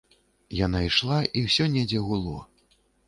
Яна ішла, і ўсё недзе гуло.